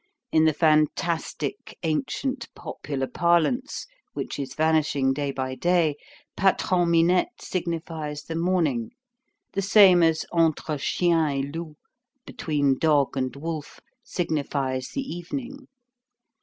In the fantastic, ancient, popular parlance, which is vanishing day by day, Patron Minette signifies the morning, the same as entre chien et loup—between dog and wolf—signifies the evening.